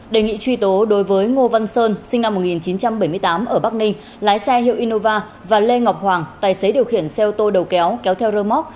đề nghị truy tố đối với ngô văn sơn sinh năm một nghìn chín trăm bảy mươi tám ở bắc ninh lái xe hiệu inova và lê ngọc hoàng tài xế điều khiển xe ô tô đầu kéo kéo theo rơ móc